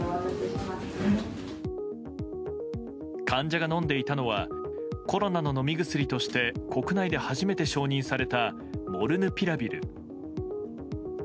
患者が飲んでいたのはコロナの飲み薬として国内で初めて承認されたモルヌピラビル。